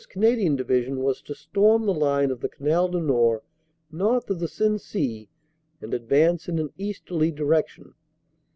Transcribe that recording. Canadian Division was to storm the line of the Canal du Nord north of the Sensee and advance in an easterly direction.